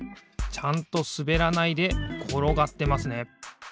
ちゃんとすべらないでころがってますね。